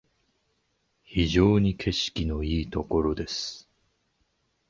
非常に景色のいいところです